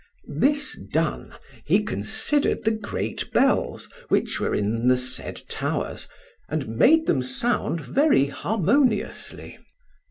This done, he considered the great bells, which were in the said towers, and made them sound very harmoniously.